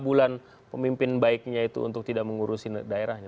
tiga lima bulan pemimpin baiknya itu untuk tidak mengurusin daerahnya